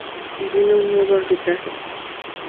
Y vino un nuevo arbitraje.